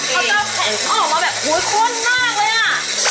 เขาจะแผ่นออกมาแบบโอ้ยข้นมากเลยอะ